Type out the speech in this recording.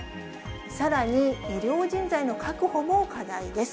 さらに、医療人材の確保も課題です。